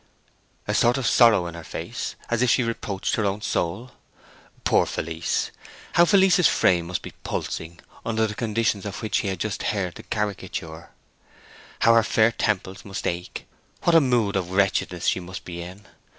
"A sort of sorrow in her face, as if she reproached her own soul." Poor Felice. How Felice's frame must be pulsing under the conditions of which he had just heard the caricature; how her fair temples must ache; what a mood of wretchedness she must be in!